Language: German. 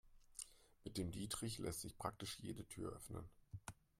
Mit dem Dietrich lässt sich praktisch jede Tür öffnen.